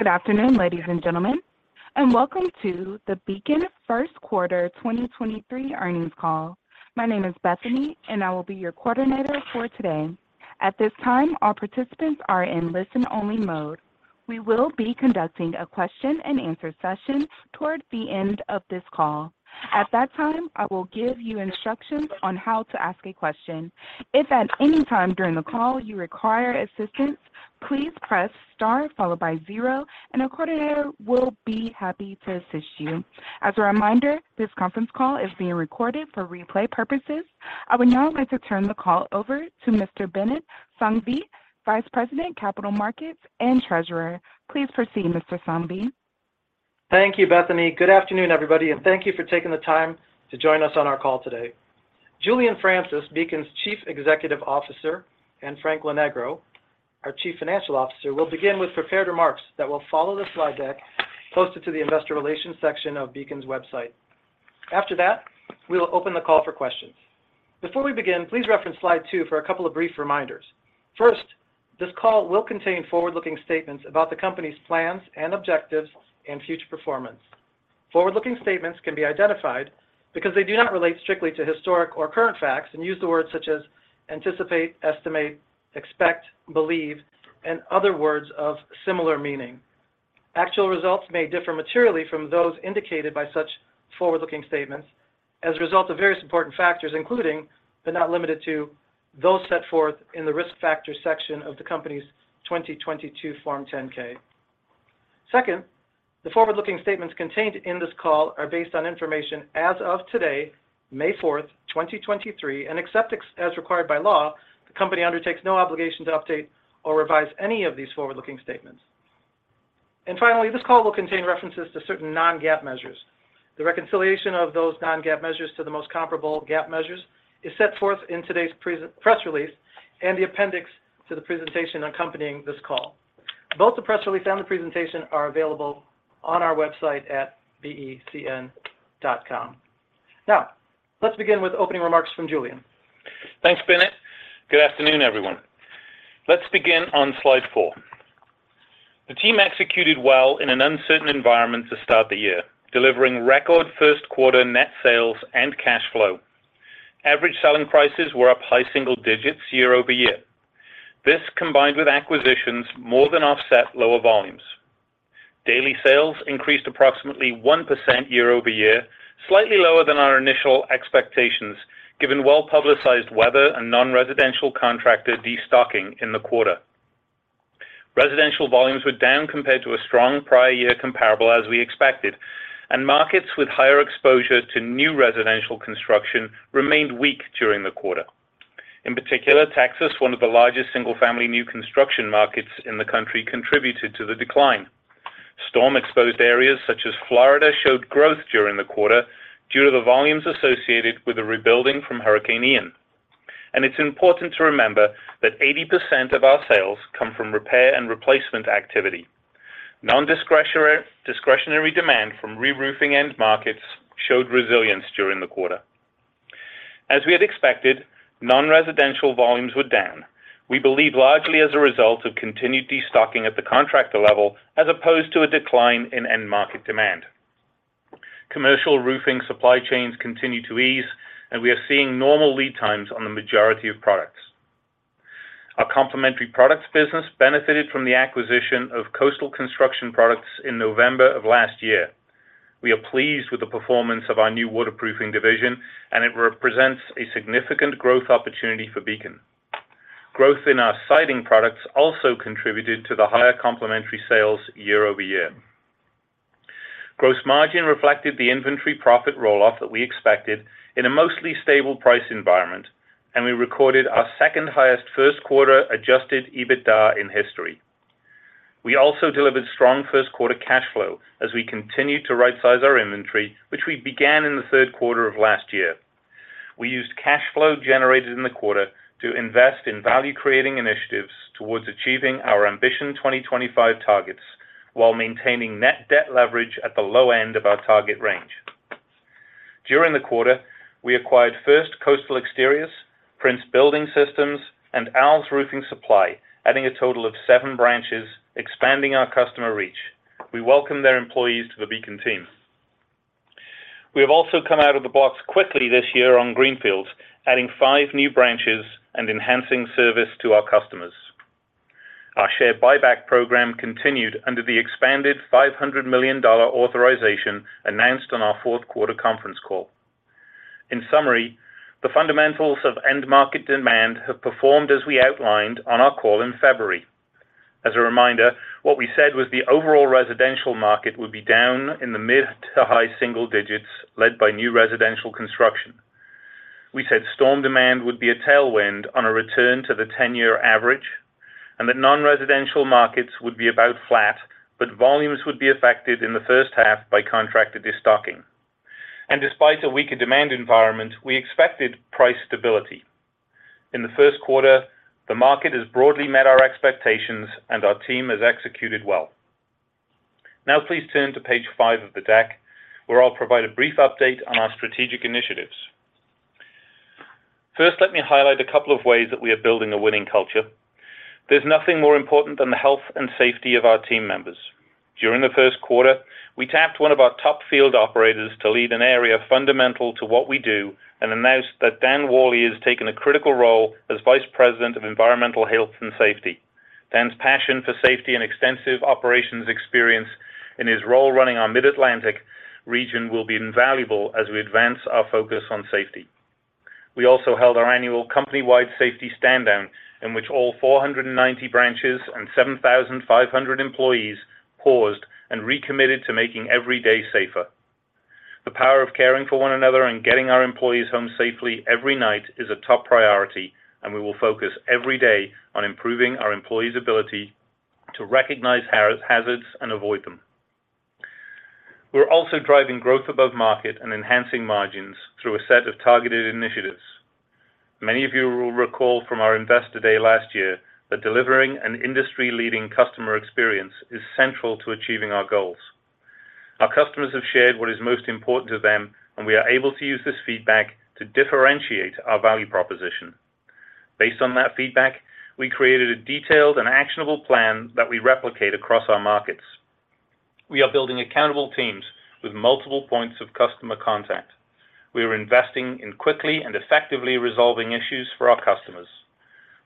Good afternoon, ladies and gentlemen, and welcome to the Beacon First Quarter 2023 Earnings Call. My name is Bethany, and I will be your coordinator for today. At this time, all participants are in listen-only mode. We will be conducting a question-and-answer session towards the end of this call. At that time, I will give you instructions on how to ask a question. If at any time during the call you require assistance, please press star followed by zero, and a coordinator will be happy to assist you. As a reminder, this conference call is being recorded for replay purposes. I would now like to turn the call over to Mr. Binit Sanghvi, Vice President, Capital Markets and Treasurer. Please proceed, Mr. Sanghvi. Thank you, Bethany. Good afternoon, everybody. Thank you for taking the time to join us on our call today. Julian Francis, Beacon's Chief Executive Officer, and Frank Lonegro, our Chief Financial Officer, will begin with prepared remarks that will follow the slide deck posted to the investor relations section of Beacon's website. After that, we will open the call for questions. Before we begin, please reference Slide 2 for a couple of brief reminders. First, this call will contain forward-looking statements about the company's plans and objectives and future performance. Forward-looking statements can be identified because they do not relate strictly to historic or current facts and use the words such as anticipate, estimate, expect, believe, and other words of similar meaning. Actual results may differ materially from those indicated by such forward-looking statements as a result of various important factors, including, but not limited to, those set forth in the Risk Factors section of the company's 2022 Form 10-K. Second, the forward-looking statements contained in this call are based on information as of today, May 4, 2023, and except as required by law, the company undertakes no obligation to update or revise any of these forward-looking statements. Finally, this call will contain references to certain non-GAAP measures. The reconciliation of those non-GAAP measures to the most comparable GAAP measures is set forth in today's press release and the appendix to the presentation accompanying this call. Both the press release and the presentation are available on our website at becn.com. Now, let's begin with opening remarks from Julian. Thanks, Binit. Good afternoon, everyone. Let's begin on Slide 4. The team executed well in an uncertain environment to start the year, delivering record first quarter net sales and cash flow. Average selling prices were up high single digits year-over-year. This, combined with acquisitions, more than offset lower volumes. Daily sales increased approximately 1% YoY, slightly lower than our initial expectations, given well-publicized weather and non-residential contractor destocking in the quarter. Residential volumes were down compared to a strong prior year comparable, as we expected. Markets with higher exposure to new residential construction remained weak during the quarter. In particular, Texas, one of the largest single-family new construction markets in the country, contributed to the decline. Storm-exposed areas such as Florida showed growth during the quarter due to the volumes associated with the rebuilding from Hurricane Ian. It's important to remember that 80% of our sales come from repair and replacement activity. Non-discretionary demand from reroofing end markets showed resilience during the quarter. As we had expected, non-residential volumes were down. We believe largely as a result of continued destocking at the contractor level as opposed to a decline in end market demand. Commercial roofing supply chains continue to ease, and we are seeing normal lead times on the majority of products. Our complementary products business benefited from the acquisition of Coastal Construction Products in November of last year. We are pleased with the performance of our new waterproofing division, and it represents a significant growth opportunity for Beacon. Growth in our siding products also contributed to the higher complementary sales year-over-year. Gross margin reflected the inventory profit roll-off that we expected in a mostly stable price environment, and we recorded our second-highest first quarter Adjusted EBITDA in history. We also delivered strong first quarter cash flow as we continued to right-size our inventory, which we began in the third quarter of last year. We used cash flow generated in the quarter to invest in value-creating initiatives towards achieving our Ambition 2025 targets while maintaining net debt leverage at the low end of our target range. During the quarter, we acquired First Coastal Exteriors, Prince Building Systems, and Al's Roofing Supply, adding a total of seven branches, expanding our customer reach. We welcome their employees to the Beacon team. We have also come out of the blocks quickly this year on greenfields, adding five new branches and enhancing service to our customers. Our share buyback program continued under the expanded $500 million authorization announced on our fourth quarter conference call. In summary, the fundamentals of end market demand have performed as we outlined on our call in February. As a reminder, what we said was the overall residential market would be down in the mid to high single digits, led by new residential construction. We said storm demand would be a tailwind on a return to the 10-year average and that non-residential markets would be about flat, but volumes would be affected in the first half by contractor destocking. Despite a weaker demand environment, we expected price stability. In the first quarter, the market has broadly met our expectations, and our team has executed well. Now please turn to page 5 of the deck, where I'll provide a brief update on our strategic initiatives. Let me highlight a couple of ways that we are building a winning culture. There's nothing more important than the health and safety of our team members. During the first quarter, we tapped one of our top field operators to lead an area fundamental to what we do and announce that Dan Worley has taken a critical role as Vice President of Environmental Health and Safety. Dan's passion for safety and extensive operations experience in his role running our Mid-Atlantic region will be invaluable as we advance our focus on safety. We also held our annual company-wide safety standdown, in which all 490 branches and 7,500 employees paused and recommitted to making every day safer. The power of caring for one another and getting our employees home safely every night is a top priority. We will focus every day on improving our employees' ability to recognize hazards and avoid them. We're also driving growth above market and enhancing margins through a set of targeted initiatives. Many of you will recall from our Investor Day last year that delivering an industry-leading customer experience is central to achieving our goals. Our customers have shared what is most important to them. We are able to use this feedback to differentiate our value proposition. Based on that feedback, we created a detailed and actionable plan that we replicate across our markets. We are building accountable teams with multiple points of customer contact. We are investing in quickly and effectively resolving issues for our customers.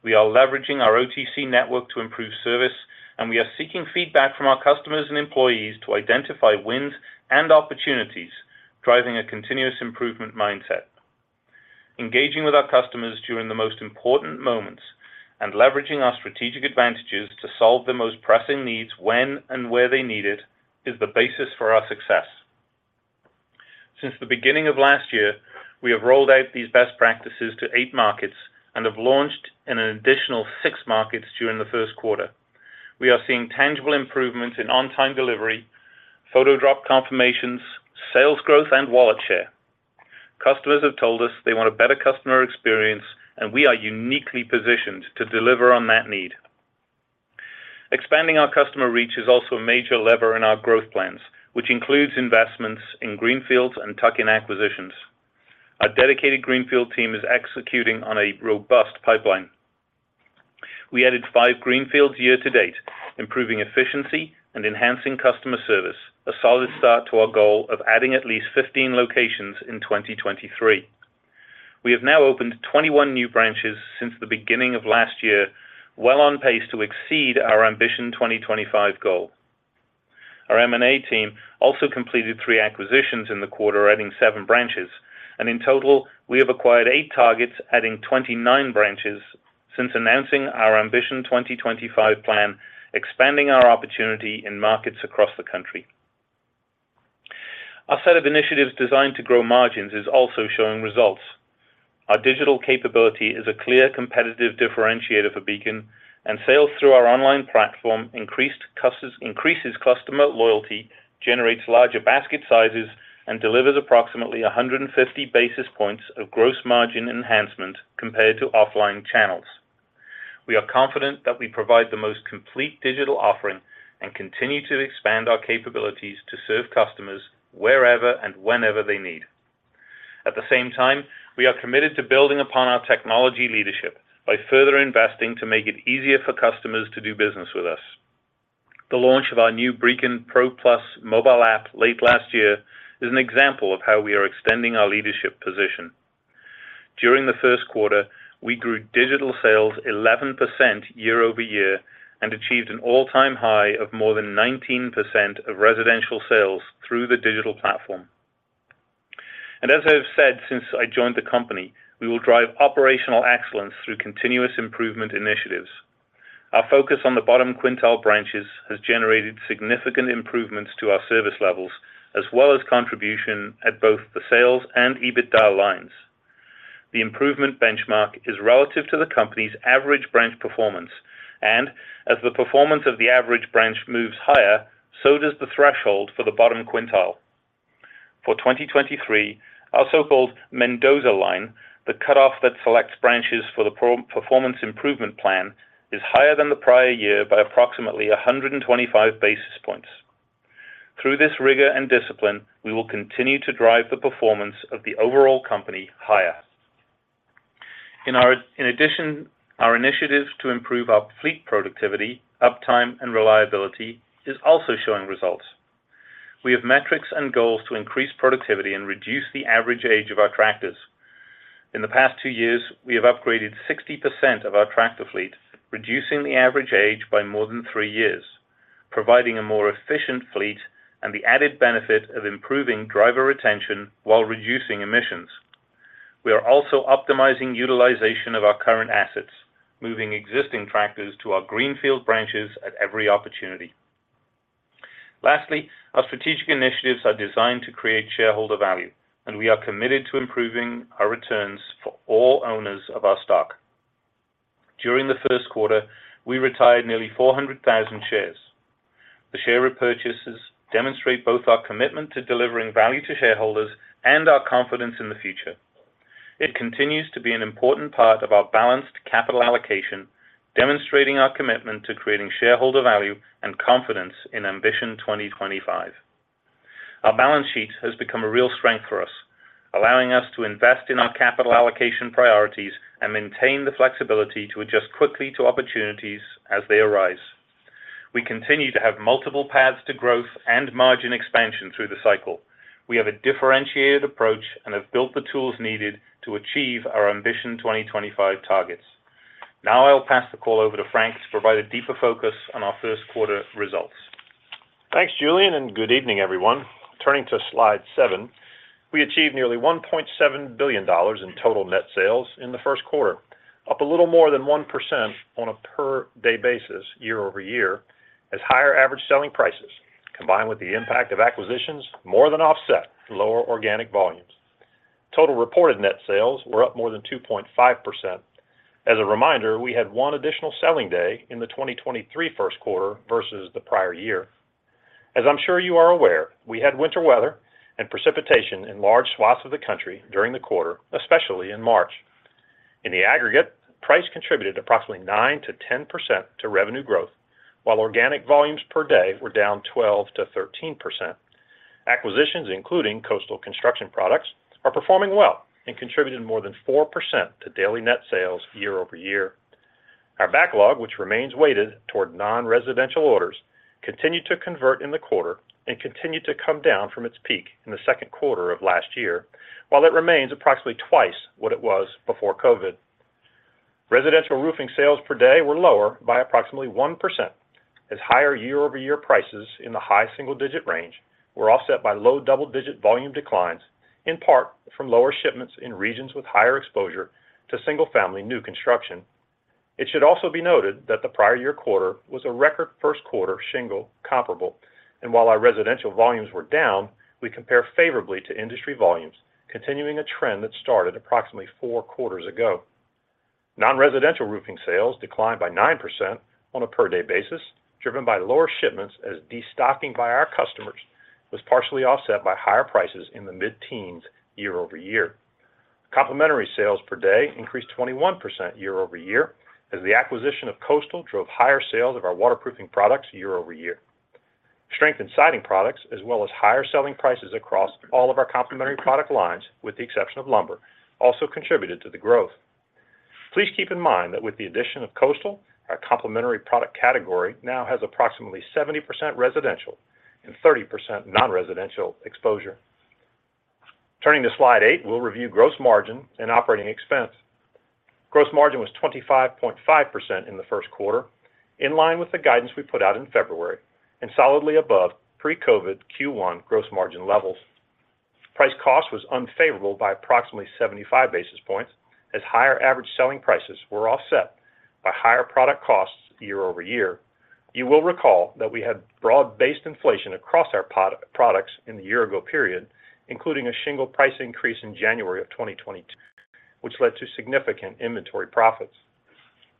We are leveraging our OTC network to improve service, and we are seeking feedback from our customers and employees to identify wins and opportunities, driving a continuous improvement mindset. Engaging with our customers during the most important moments and leveraging our strategic advantages to solve the most pressing needs when and where they need it is the basis for our success. Since the beginning of last year, we have rolled out these best practices to 8 markets and have launched in an additional 6 markets during the first quarter. We are seeing tangible improvements in on-time delivery, photo drop confirmations, sales growth, and wallet share. Customers have told us they want a better customer experience, and we are uniquely positioned to deliver on that need. Expanding our customer reach is also a major lever in our growth plans, which includes investments in greenfields and tuck-in acquisitions. Our dedicated greenfield team is executing on a robust pipeline. We added 5 greenfields year-to-date, improving efficiency and enhancing customer service, a solid start to our goal of adding at least 15 locations in 2023. We have now opened 21 new branches since the beginning of last year, well on pace to exceed our Ambition 2025 goal. Our M&A team also completed three acquisitions in the quarter, adding 7 branches. In total, we have acquired eight targets, adding 29 branches since announcing our Ambition 2025 plan, expanding our opportunity in markets across the country. Our set of initiatives designed to grow margins is also showing results. Our digital capability is a clear competitive differentiator for Beacon, sales through our online platform increases customer loyalty, generates larger basket sizes, and delivers approximately 150 basis points of gross margin enhancement compared to offline channels. We are confident that we provide the most complete digital offering and continue to expand our capabilities to serve customers wherever and whenever they need. At the same time, we are committed to building upon our technology leadership by further investing to make it easier for customers to do business with us. The launch of our new Beacon PRO+ mobile app late last year is an example of how we are extending our leadership position. During the first quarter, we grew digital sales 11% YoY and achieved an all-time high of more than 19% of residential sales through the digital platform. As I have said since I joined the company, we will drive operational excellence through continuous improvement initiatives. Our focus on the bottom quintile branches has generated significant improvements to our service levels as well as contribution at both the sales and EBITDA lines. The improvement benchmark is relative to the company's average branch performance, and as the performance of the average branch moves higher, so does the threshold for the bottom quintile. For 2023, our so-called Mendoza line, the cutoff that selects branches for the pro-performance improvement plan, is higher than the prior year by approximately 125 basis points. Through this rigor and discipline, we will continue to drive the performance of the overall company higher. In addition, our initiatives to improve our fleet productivity, uptime, and reliability is also showing results. We have metrics and goals to increase productivity and reduce the average age of our tractors. In the past 2 years, we have upgraded 60% of our tractor fleet, reducing the average age by more than 3 years, providing a more efficient fleet and the added benefit of improving driver retention while reducing emissions. We are also optimizing utilization of our current assets, moving existing tractors to our greenfield branches at every opportunity. Lastly, our strategic initiatives are designed to create shareholder value, and we are committed to improving our returns for all owners of our stock. During the first quarter, we retired nearly 400,000 shares. The share repurchases demonstrate both our commitment to delivering value to shareholders and our confidence in the future. It continues to be an important part of our balanced capital allocation, demonstrating our commitment to creating shareholder value and confidence in Ambition 2025. Our balance sheet has become a real strength for us, allowing us to invest in our capital allocation priorities and maintain the flexibility to adjust quickly to opportunities as they arise. We continue to have multiple paths to growth and margin expansion through the cycle. We have a differentiated approach and have built the tools needed to achieve our Ambition 2025 targets. I'll pass the call over to Frank to provide a deeper focus on our first quarter results. Thanks, Julian. Good evening, everyone. Turning to Slide 7, we achieved nearly $1.7 billion in total net sales in the first quarter, up a little more than 1% on a per-day basis year-over-year, as higher average selling prices, combined with the impact of acquisitions, more than offset lower organic volumes. Total reported net sales were up more than 2.5%. As a reminder, we had 1 additional selling day in the 2023 first quarter versus the prior year. As I'm sure you are aware, we had winter weather and precipitation in large swaths of the country during the quarter, especially in March. In the aggregate, price contributed approximately 9%-10% to revenue growth, while organic volumes per day were down 12%-13%. Acquisitions, including Coastal Construction Products, are performing well and contributed more than 4% to daily net sales year-over-year. Our backlog, which remains weighted toward non-residential orders, continued to convert in the quarter and continued to come down from its peak in the 2nd quarter of last year, while it remains approximately twice what it was before COVID. Residential roofing sales per day were lower by approximately 1%, as higher year-over-year prices in the high single-digit range were offset by low double-digit volume declines, in part from lower shipments in regions with higher exposure to single-family new construction. It should also be noted that the prior year quarter was a record 1st quarter shingle comparable, and while our residential volumes were down, we compare favorably to industry volumes, continuing a trend that started approximately 4 quarters ago. Non-residential roofing sales declined by 9% on a per-day basis, driven by lower shipments as destocking by our customers was partially offset by higher prices in the mid-teens year-over-year. Complementary sales per day increased 21% YoY as the acquisition of Coastal drove higher sales of our waterproofing products year-over-year. Strength in siding products as well as higher selling prices across all of our complementary product lines, with the exception of lumber, also contributed to the growth. Please keep in mind that with the addition of Coastal, our complementary product category now has approximately 70% residential and 30% non-residential exposure. Turning to Slide 8, we'll review gross margin and operating expense. Gross margin was 25.5% in the 1st quarter, in line with the guidance we put out in February and solidly above pre-COVID Q1 gross margin levels. Price cost was unfavorable by approximately 75 basis points as higher average selling prices were offset by higher product costs year-over-year. You will recall that we had broad-based inflation across our products in the year-ago period, including a shingle price increase in January of 2022, which led to significant inventory profits.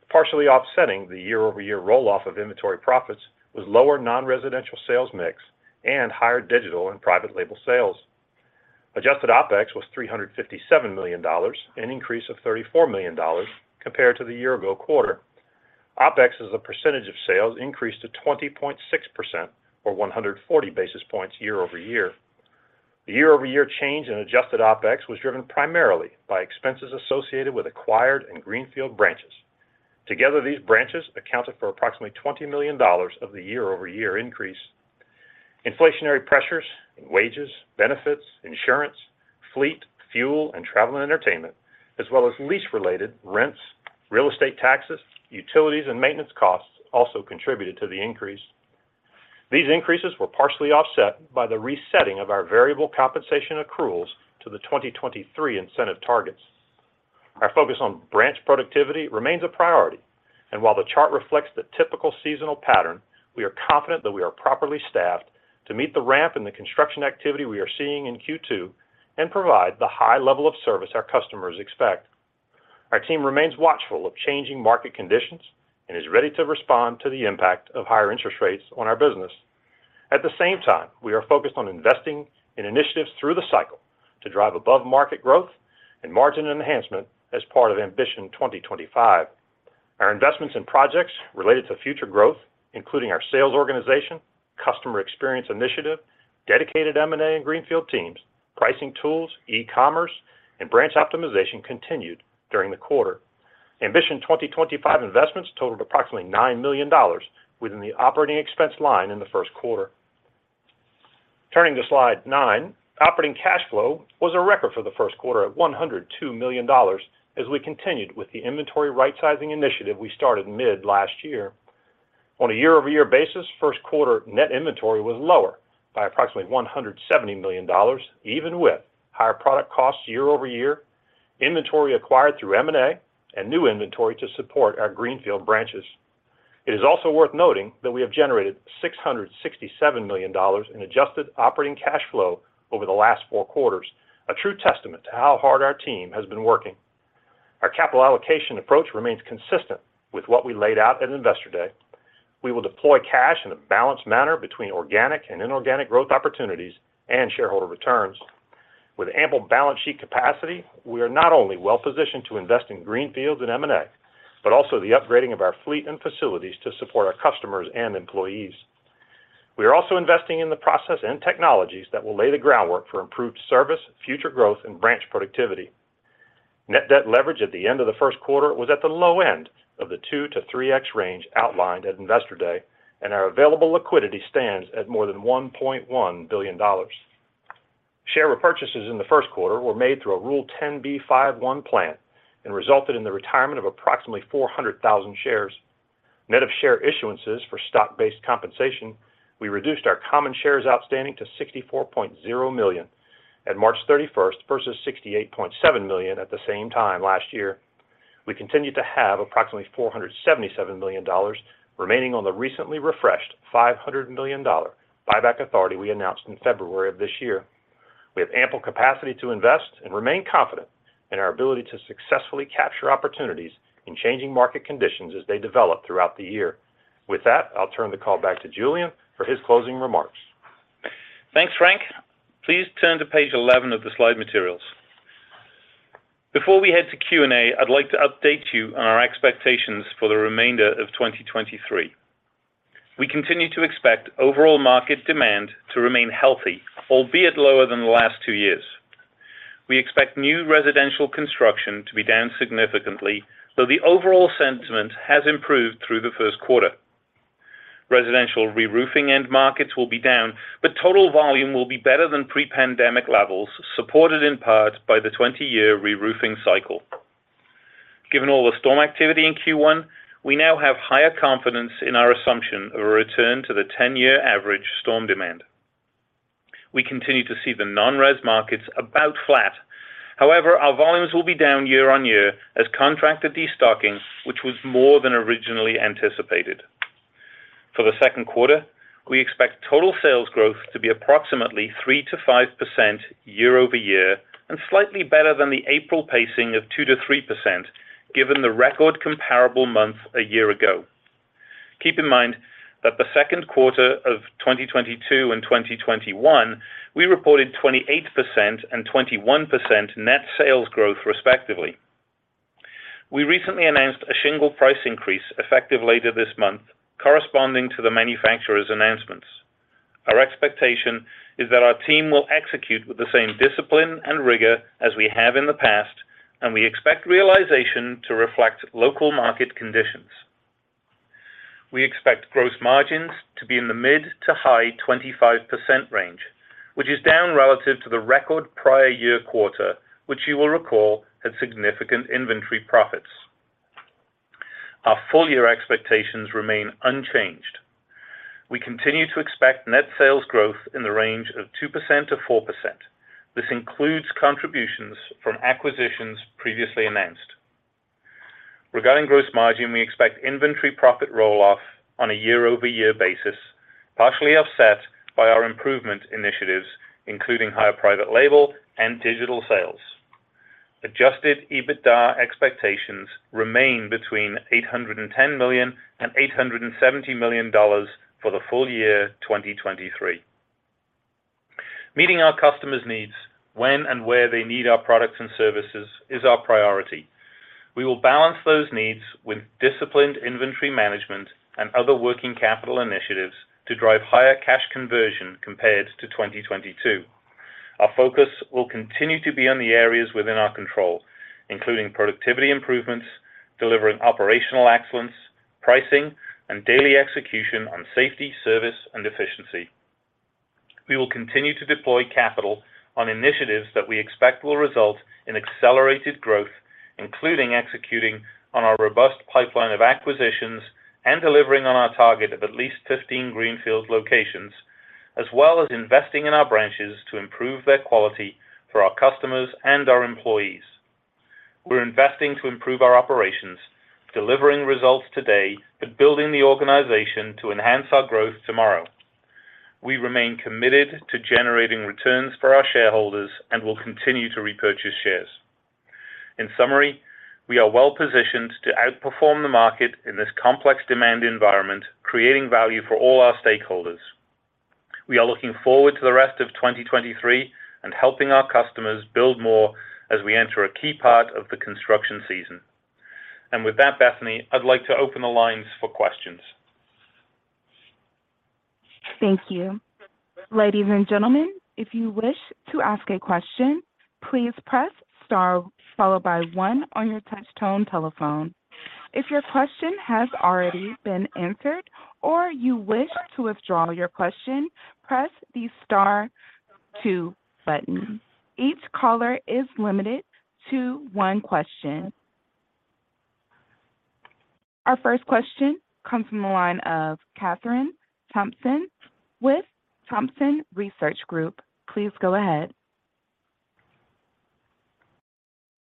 Partially offsetting the year-over-year roll-off of inventory profits was lower non-residential sales mix and higher digital and private label sales. Adjusted OpEx was $357 million, an increase of $34 million compared to the year-ago quarter. OpEx as a percentage of sales increased to 20.6% or 140 basis points year-over-year. The year-over-year change in Adjusted OpEx was driven primarily by expenses associated with acquired and greenfield branches. Together, these branches accounted for approximately $20 million of the year-over-year increase. Inflationary pressures in wages, benefits, insurance, fleet, fuel, and travel and entertainment, as well as lease-related rents, real estate taxes, utilities, and maintenance costs also contributed to the increase. These increases were partially offset by the resetting of our variable compensation accruals to the 2023 incentive targets. Our focus on branch productivity remains a priority, and while the chart reflects the typical seasonal pattern, we are confident that we are properly staffed to meet the ramp in the construction activity we are seeing in Q2 and provide the high level of service our customers expect. Our team remains watchful of changing market conditions and is ready to respond to the impact of higher interest rates on our business. At the same time, we are focused on investing in initiatives through the cycle to drive above-market growth and margin enhancement as part of Ambition 2025. Our investments in projects related to future growth, including our sales organization, customer experience initiative, dedicated M&A and greenfield teams, pricing tools, e-commerce, and branch optimization continued during the quarter. Ambition 2025 investments totaled approximately $9 million within the operating expense line in the first quarter. Turning to Slide 9, operating cash flow was a record for the first quarter at $102 million as we continued with the inventory rightsizing initiative we started mid last year. On a year-over-year basis, first quarter net inventory was lower by approximately $170 million, even with higher product costs year over year, inventory acquired through M&A, and new inventory to support our greenfield branches. It is also worth noting that we have generated $667 million in adjusted operating cash flow over the last four quarters, a true testament to how hard our team has been working. Our capital allocation approach remains consistent with what we laid out at Investor Day. We will deploy cash in a balanced manner between organic and inorganic growth opportunities and shareholder returns. With ample balance sheet capacity, we are not only well-positioned to invest in greenfields and M&A, but also the upgrading of our fleet and facilities to support our customers and employees. We are also investing in the process and technologies that will lay the groundwork for improved service, future growth, and branch productivity. Net debt leverage at the end of the first quarter was at the low end of the 2x-3x range outlined at Investor Day, our available liquidity stands at more than $1.1 billion. Share repurchases in the first quarter were made through a Rule 10b5-1 plan and resulted in the retirement of approximately 400,000 shares. Net of share issuances for stock-based compensation, we reduced our common shares outstanding to 64.0 million at March 31st versus 68.7 million at the same time last year. We continue to have approximately $477 million remaining on the recently refreshed $500 million buyback authority we announced in February of this year. We have ample capacity to invest and remain confident in our ability to successfully capture opportunities in changing market conditions as they develop throughout the year. I'll turn the call back to Julian for his closing remarks. Thanks, Frank. Please turn to page 11 of the slide materials. Before we head to Q&A, I'd like to update you on our expectations for the remainder of 2023. We continue to expect overall market demand to remain healthy, albeit lower than the last 2 years. We expect new residential construction to be down significantly, though the overall sentiment has improved through the first quarter. Residential reroofing end markets will be down, but total volume will be better than pre-pandemic levels, supported in part by the 20-year reroofing cycle. Given all the storm activity in Q1, we now have higher confidence in our assumption of a return to the 10-year average storm demand. We continue to see the non-res markets about flat. Our volumes will be down year-on-year as contracted destocking, which was more than originally anticipated. For the second quarter, we expect total sales growth to be approximately 3%-5% YoY and slightly better than the April pacing of 2%-3% given the record comparable month a year ago. Keep in mind that the second quarter of 2022 and 2021, we reported 28% and 21% net sales growth, respectively. We recently announced a shingle price increase effective later this month, corresponding to the manufacturer's announcements. Our expectation is that our team will execute with the same discipline and rigor as we have in the past, and we expect realization to reflect local market conditions. We expect gross margins to be in the mid to high 25% range, which is down relative to the record prior year quarter, which you will recall had significant inventory profits. Our full-year expectations remain unchanged. We continue to expect net sales growth in the range of 2%-4%. This includes contributions from acquisitions previously announced. Regarding gross margin, we expect inventory profit roll-off on a year-over-year basis, partially offset by our improvement initiatives, including higher private label and digital sales. Adjusted EBITDA expectations remain between $810 million and $870 million for the full year 2023. Meeting our customers' needs when and where they need our products and services is our priority. We will balance those needs with disciplined inventory management and other working capital initiatives to drive higher cash conversion compared to 2022. Our focus will continue to be on the areas within our control, including productivity improvements, delivering operational excellence, pricing, and daily execution on safety, service, and efficiency. We will continue to deploy capital on initiatives that we expect will result in accelerated growth, including executing on our robust pipeline of acquisitions and delivering on our target of at least 15 greenfield locations, as well as investing in our branches to improve their quality for our customers and our employees. We're investing to improve our operations, delivering results today, but building the organization to enhance our growth tomorrow. We remain committed to generating returns for our shareholders and will continue to repurchase shares. In summary, we are well-positioned to outperform the market in this complex demand environment, creating value for all our stakeholders. We are looking forward to the rest of 2023 and helping our customers build more as we enter a key part of the construction season. With that, Bethany, I'd like to open the lines for questions. Thank you. Ladies and gentlemen, if you wish to ask a question, please press star followed by one on your touch tone telephone. If your question has already been answered or you wish to withdraw your question, press the star two button. Each caller is limited to one question. Our first question comes from the line of Kathryn Thompson with Thompson Research Group. Please go ahead.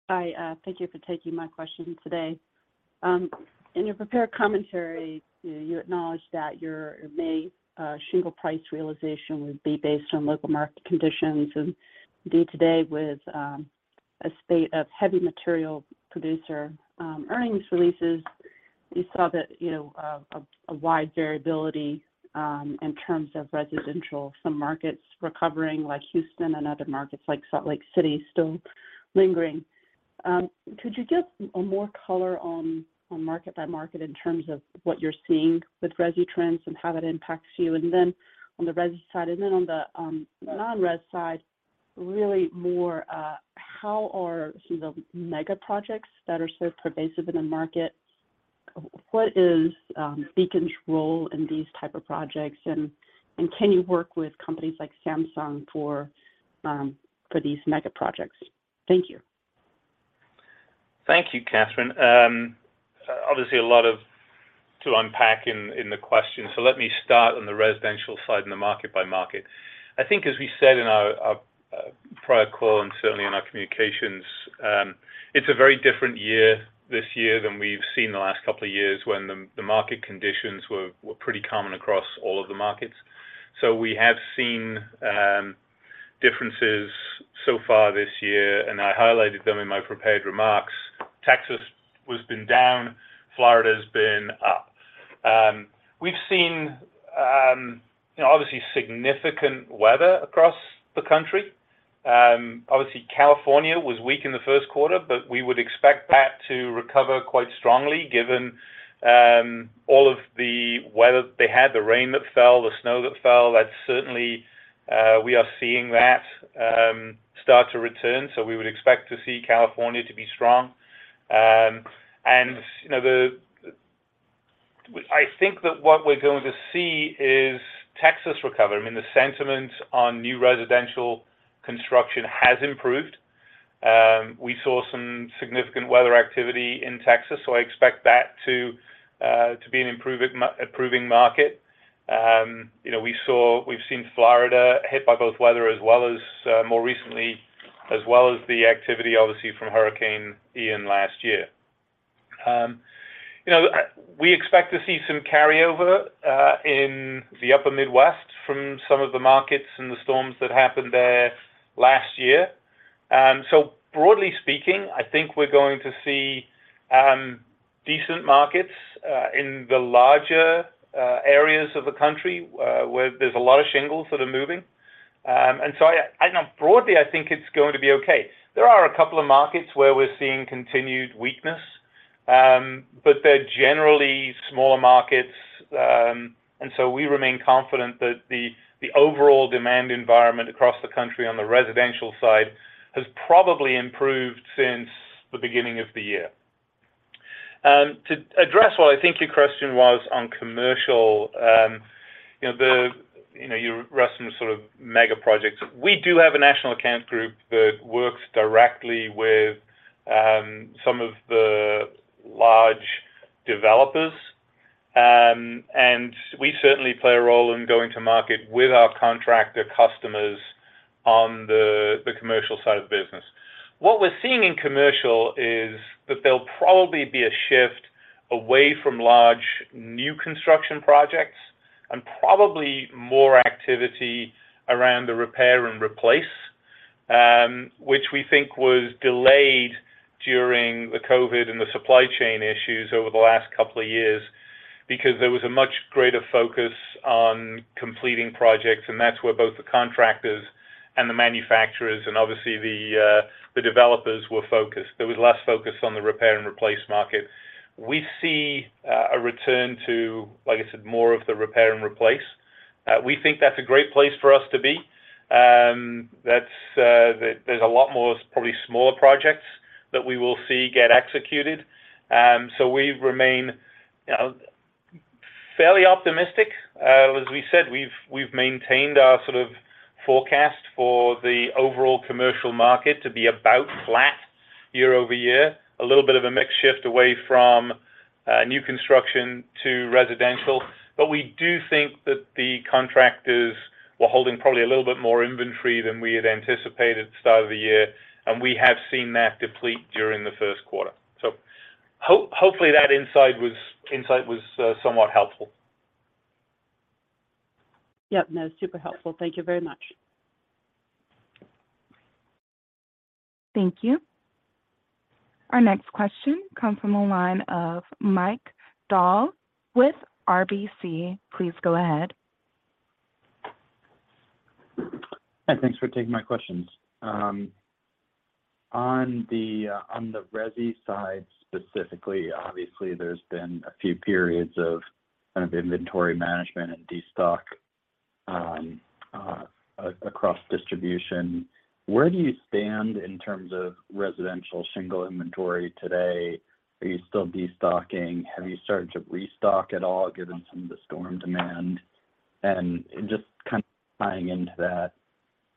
Hi. Thank you for taking my question today. In your prepared commentary, you acknowledged that your May shingle price realization would be based on local market conditions. Indeed today with a spate of heavy material producer earnings releases. We saw that, you know, a wide variability in terms of residential, some markets recovering like Houston and other markets like Salt Lake City still lingering. Could you give a more color on market by market in terms of what you're seeing with resi trends and how that impacts you? Then on the resi side, and then on the non-resi side, really more, how are some of the mega projects that are so pervasive in the market, what is Beacon's role in these type of projects? Can you work with companies like Samsung for these mega projects? Thank you. Thank you, Kathryn. Obviously a lot to unpack in the question. Let me start on the residential side and the market by market. I think as we said in our prior call and certainly in our communications, it's a very different year this year than we've seen the last couple of years when the market conditions were pretty common across all of the markets. We have seen differences so far this year, and I highlighted them in my prepared remarks. Texas has been down. Florida has been up. We've seen, you know, obviously significant weather across the country. Obviously, California was weak in the 1st quarter, but we would expect that to recover quite strongly given all of the weather they had, the rain that fell, the snow that fell. That certainly, we are seeing that start to return. We would expect to see California to be strong. You know, I think that what we're going to see is Texas recover. I mean, the sentiment on new residential construction has improved. We saw some significant weather activity in Texas, I expect that to be an improving market. You know, we've seen Florida hit by both weather as well as more recently, as well as the activity, obviously, from Hurricane Ian last year. You know, we expect to see some carryover in the upper Midwest from some of the markets and the storms that happened there last year. Broadly speaking, I think we're going to see decent markets in the larger areas of the country where there's a lot of shingles that are moving. Broadly, I think it's going to be okay. There are a couple of markets where we're seeing continued weakness, but they're generally smaller markets. We remain confident that the overall demand environment across the country on the residential side has probably improved since the beginning of the year. To address what I think your question was on commercial, you know, you're asking sort of mega projects. We do have a national account group that works directly with some of the large developers, and we certainly play a role in going to market with our contractor customers on the commercial side of the business. What we're seeing in commercial is that there'll probably be a shift away from large new construction projects and probably more activity around the repair and replace, which we think was delayed during the COVID and the supply chain issues over the last couple of years because there was a much greater focus on completing projects, and that's where both the contractors and the manufacturers and obviously the developers were focused. There was less focus on the repair and replace market. We see a return to, like I said, more of the repair and replace. We think that's a great place for us to be. That's, there's a lot more probably smaller projects that we will see get executed. We remain, you know, fairly optimistic. As we said, we've maintained our sort of forecast for the overall commercial market to be about flat year-over-year. A little bit of a mix shift away from new construction to residential. We do think that the contractors were holding probably a little bit more inventory than we had anticipated at the start of the year, and we have seen that deplete during the first quarter. Hopefully, that insight was somewhat helpful. Yep. No, super helpful. Thank you very much. Thank you. Our next question comes from the line of Mike Dahl with RBC. Please go ahead. Hi. Thanks for taking my questions. On the resi side specifically, obviously, there's been a few periods of kind of inventory management and destock across distribution. Where do you stand in terms of residential shingle inventory today? Are you still destocking? Have you started to restock at all given some of the storm demand? Just kind of tying into that,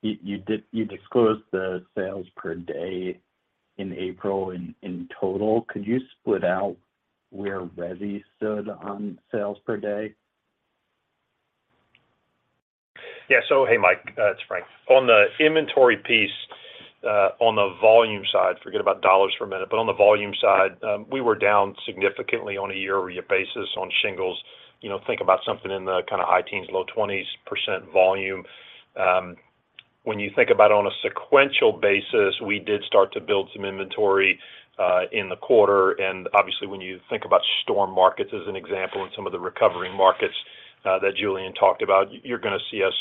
you disclosed the sales per day in April in total. Could you split out where resi stood on sales per day? Yeah. hey, Mike. It's Frank. On the inventory piece, on the volume side, forget about dollars for a minute, but on the volume side, we were down significantly on a year-over-year basis on shingles. You know, think about something in the kinda high teens, low twenties percent volume. When you think about on a sequential basis, we did start to build some inventory in the quarter. Obviously, when you think about storm markets as an example in some of the recovering markets that Julian talked about, you're gonna see us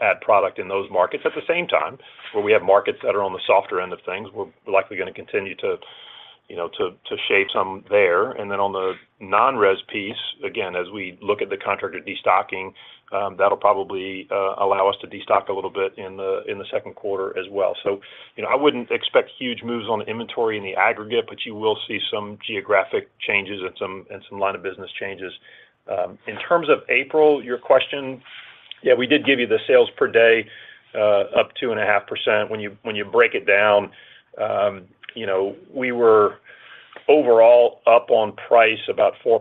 add product in those markets. At the same time, where we have markets that are on the softer end of things, we're likely gonna continue to, you know, shape some there. Then on the non-res piece, again, as we look at the contractor destocking, that'll probably allow us to destock a little bit in the second quarter as well. you know, I wouldn't expect huge moves on inventory in the aggregate, but you will see some geographic changes and some line of business changes. In terms of April, your question, yeah, we did give you the sales per day, up 2.5%. When you, when you break it down, you know, we were overall up on price about 4%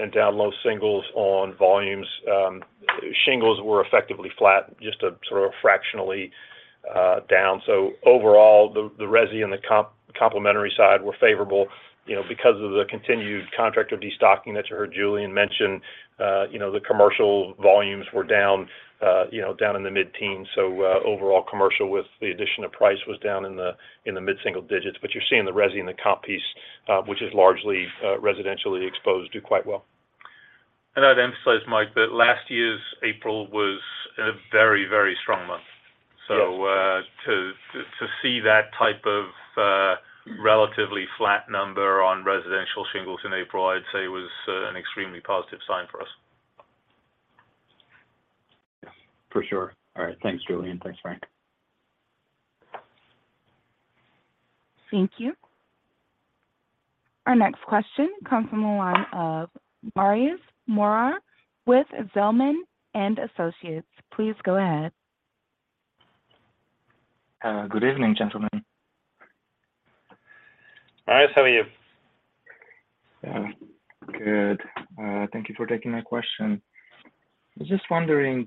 and down low singles on volumes. Shingles were effectively flat, just sort of fractionally down. Overall, the resi and the com, complementary side were favorable, you know, because of the continued contractor destocking that you heard Julian mention. You know, the commercial volumes were down, you know, down in the mid-teens. Overall commercial with the addition of price was down in the mid-single digits. You're seeing the resi and the comp piece, which is largely residentially exposed, do quite well. I'd emphasize, Mike, that last year's April was a very, very strong month. Yes. To see that type of, relatively flat number on residential shingles in April, I'd say was an extremely positive sign for us. For sure. All right. Thanks, Julian. Thanks, Frank. Thank you. Our next question comes from the line of Marius Morar with Zelman & Associates. Please go ahead. Good evening, gentlemen. Marius, how are you? Good. Thank you for taking my question. I was just wondering,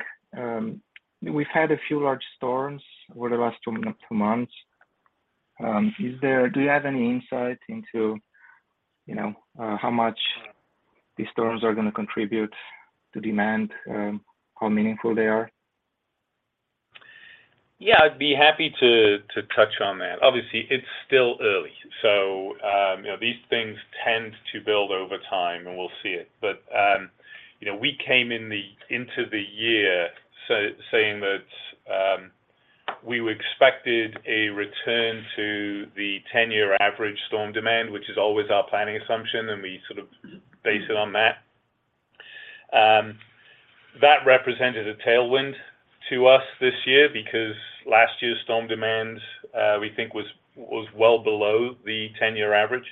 we've had a few large storms over the last two months. Do you have any insight into, you know, how much these storms are gonna contribute to demand? How meaningful they are? I'd be happy to touch on that. Obviously, it's still early, so, you know, these things tend to build over time, and we'll see it. you know, we came into the year saying that we expected a return to the 10-year average storm demand, which is always our planning assumption, and we sort of base it on that. That represented a tailwind to us this year because last year's storm demand, we think was well below the 10-year average.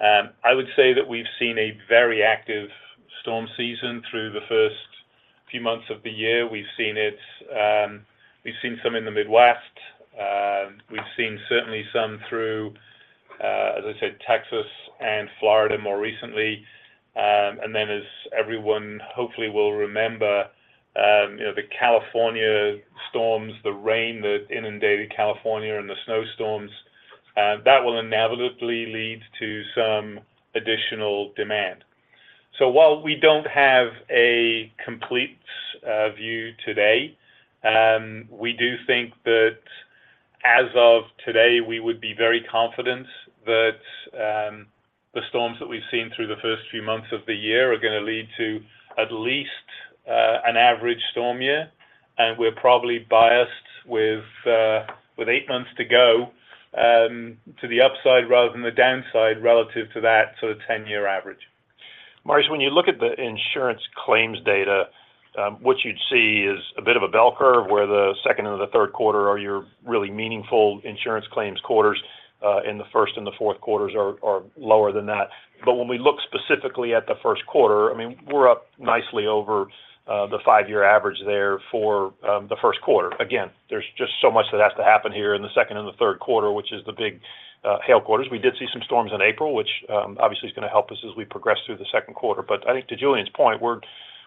I would say that we've seen a very active storm season through the first few months of the year. We've seen it, we've seen some in the Midwest. We've seen certainly some through, as I said, Texas and Florida more recently. Then as everyone hopefully will remember, you know, the California storms, the rain that inundated California and the snow storms that will inevitably lead to some additional demand. While we don't have a complete view today, we do think that as of today, we would be very confident that the storms that we've seen through the first few months of the year are gonna lead to at least an average storm year. We're probably biased with 8 months to go, to the upside rather than the downside relative to that sort of 10-year average. Marius, when you look at the insurance claims data, what you'd see is a bit of a bell curve where the second and the third quarter are your really meaningful insurance claims quarters. The first and the fourth quarters are lower than that. When we look specifically at the first quarter, I mean, we're up nicely over the five-year average there for the first quarter. Again, there's just so much that has to happen here in the second and the third quarter, which is the big hail quarters. We did see some storms in April, which obviously is gonna help us as we progress through the second quarter. I think to Julian's point, we're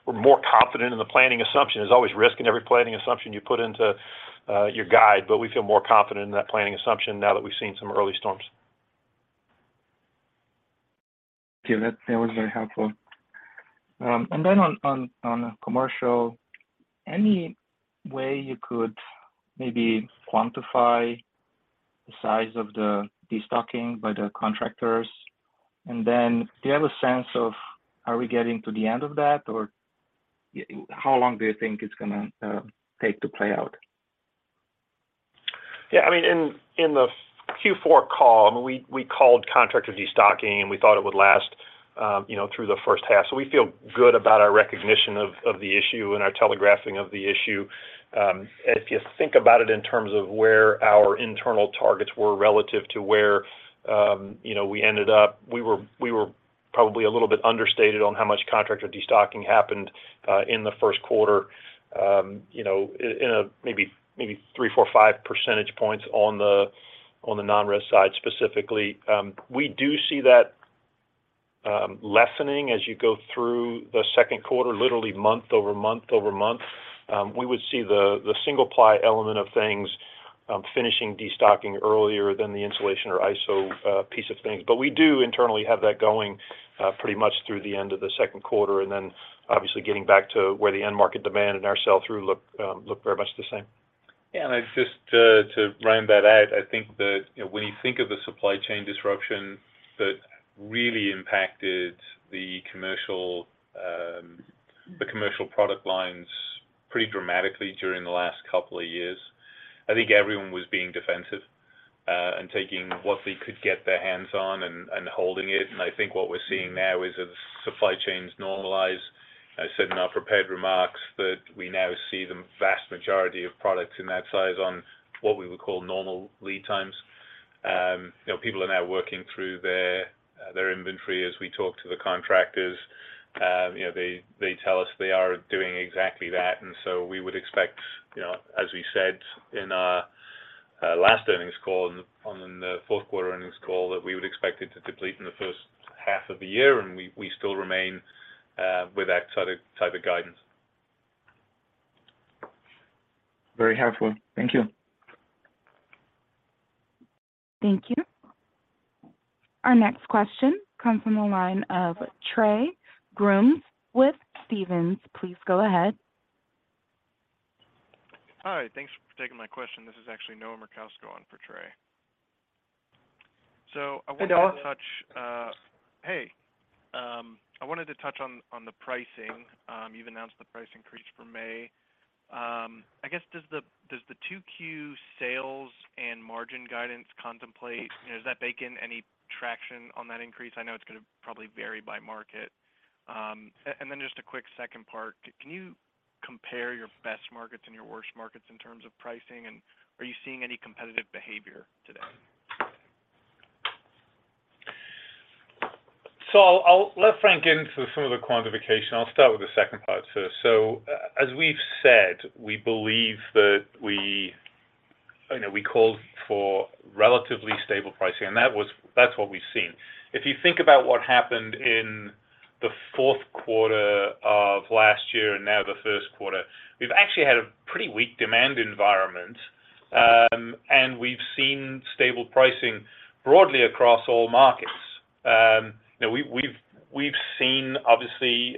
more confident in the planning assumption. There's always risk in every planning assumption you put into your guide, but we feel more confident in that planning assumption now that we've seen some early storms. Okay. That was very helpful. On commercial, any way you could maybe quantify the size of the destocking by the contractors? Do you have a sense of are we getting to the end of that, or how long do you think it's gonna take to play out? In the Q4 call, we called contractor destocking, and we thought it would last, you know, through the first half. We feel good about our recognition of the issue and our telegraphing of the issue. If you think about it in terms of where our internal targets were relative to where, you know, we ended up, we were probably a little bit understated on how much contractor destocking happened in the first quarter, you know, in a maybe 3, 4, 5 percentage points on the non-res side specifically. We do see that lessening as you go through the second quarter, literally month-over-month-over-month. We would see the single-ply element of things finishing destocking earlier than the insulation or ISO piece of things. We do internally have that going, pretty much through the end of the second quarter and then obviously getting back to where the end market demand and our sell-through look very much the same. Yeah. Just to round that out, I think that, you know, when you think of the supply chain disruption that really impacted the commercial, the commercial product lines pretty dramatically during the last couple of years, I think everyone was being defensive, and taking what they could get their hands on and holding it. I think what we're seeing now is as supply chains normalize, I said in our prepared remarks that we now see the vast majority of products in that size on what we would call normal lead times. You know, people are now working through their inventory as we talk to the contractors. You know, they tell us they are doing exactly that. We would expect, you know, as we said in our last earnings call and on the fourth quarter earnings call, that we would expect it to deplete in the first half of the year, and we still remain with that type of guidance. Very helpful. Thank you. Thank you. Our next question comes from the line of Trey Grooms with Stephens. Please go ahead. Hi. Thanks for taking my question. This is actually Noah Merkousko on for Trey. I wanted to touch. Hey, Noah. Hey. I wanted to touch on the pricing. You've announced the price increase for May. I guess does the 2Q sales and margin guidance contemplate, you know, does that bake in any traction on that increase? I know it's gonna probably vary by market. Just a quick second part, can you compare your best markets and your worst markets in terms of pricing, and are you seeing any competitive behavior today? I'll let Frank get into some of the quantification. I'll start with the second part first. As we've said, we believe that we You know, we called for relatively stable pricing, that's what we've seen. If you think about what happened in the fourth quarter of last year and now the first quarter, we've actually had a pretty weak demand environment, and we've seen stable pricing broadly across all markets. You know, we've seen obviously,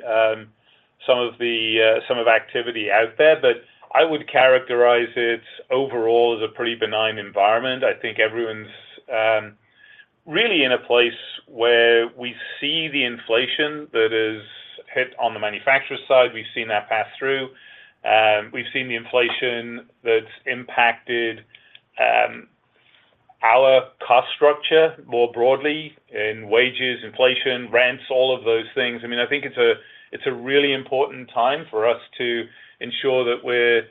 some of the activity out there, but I would characterize it overall as a pretty benign environment. I think everyone's really in a place where we see the inflation that has hit on the manufacturer side. We've seen that pass through. We've seen the inflation that's impacted our cost structure more broadly in wages, inflation, rents, all of those things. I mean, I think it's a really important time for us to ensure that we're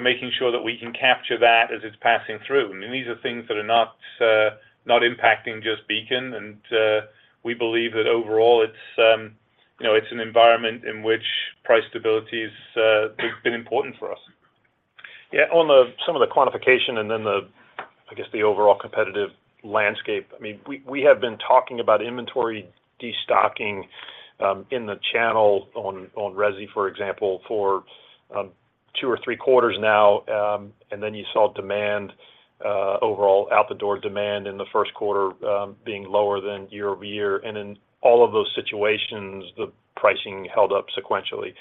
making sure that we can capture that as it's passing through. I mean, these are things that are not not impacting just Beacon, and we believe that overall it's, you know, it's an environment in which price stability is has been important for us. Yeah. On the, some of the quantification and then the, I guess, the overall competitive landscape, I mean, we have been talking about inventory destocking in the channel on resi, for example, for two or three quarters now. You saw demand, overall out the door demand in the first quarter, being lower than year-over-year. In all of those situations, the pricing held up sequentially,